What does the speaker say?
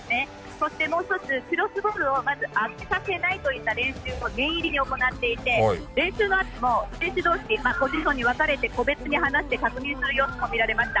そして、もう一つクロスボールを上げさせないといった練習も念入りに行っていて練習のあとも選手同士個人個人、分かれて個別に話して確認する様子も見られました。